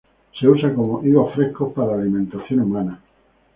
Se usa como higos frescos para alimentación humana.